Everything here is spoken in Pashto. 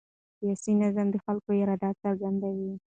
سیاسي نظام د خلکو اراده څرګندوي